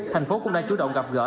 tp hcm cũng đã chủ động gặp gỡ